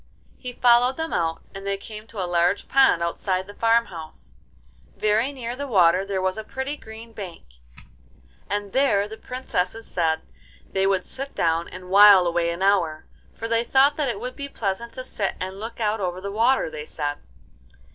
He followed them out, and they came to a large pond outside the farm house. Very near the water there was a pretty green bank, and there the Princesses said they would sit down and while away an hour, for they thought that it would be pleasant to sit and look out over the water, they said.